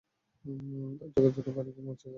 তার চোখে দূরের বাড়ি-ঘরগুলো মরীচিকা মনে হয়।